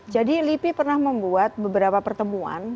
jadi lipi pernah membuat beberapa pertemuan